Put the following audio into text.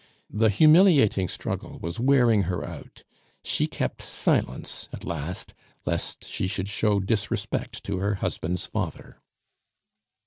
The humiliating struggle was wearing her out; she kept silence at last, lest she should show disrespect to her husband's father.